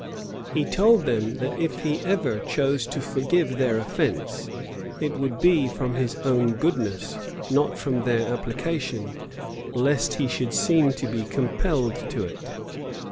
He told them, that if he ever chose to forgive their offence, it would be from his own goodness, not from their application, lest he should seem to be compelled to it.